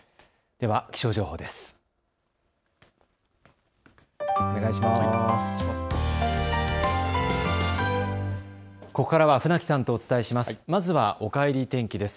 では気象情報です。